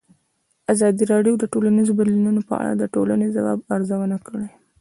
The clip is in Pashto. ازادي راډیو د ټولنیز بدلون په اړه د ټولنې د ځواب ارزونه کړې.